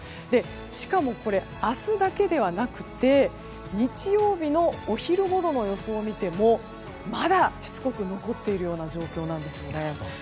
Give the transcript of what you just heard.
しかも明日だけではなくて日曜日のお昼ごろの予想を見てもまだ、しつこく残っているような状況なんですね。